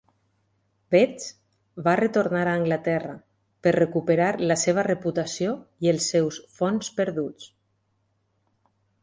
Vetch va retornar a Anglaterra per recuperar la seva reputació i els seus fons perduts.